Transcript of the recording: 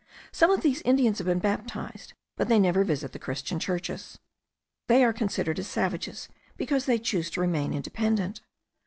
Some of these Indians have been baptized, but they never visit the Christian churches. They are considered as savages because they choose to remain independent.